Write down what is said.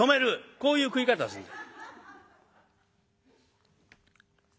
こういう食い方をするんだ」。